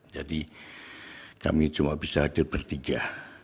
jadi kami cuma bisa hadir bertiga